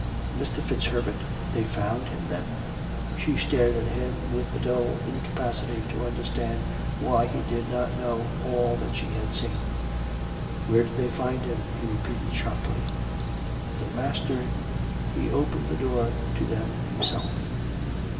"Mr. FitzHerbert.? They found him, then?" She stared at him with the dull incapacity to understand why he did not know all that she had seen. " Where did they find him ?" he repeated sharply. " The master ... he opened the door to them himself."